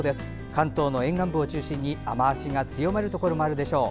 関東の沿岸部を中心に雨足が強まるところもあるでしょう。